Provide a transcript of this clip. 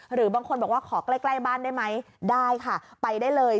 หรือบางคนบอกว่าขอใกล้บ้านได้ไหมได้ค่ะไปได้เลย